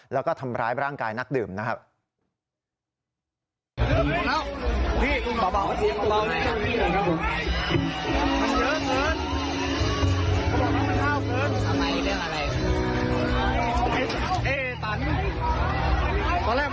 แล้วก็ทำร้ายร่างกายนักดื่มนะครับ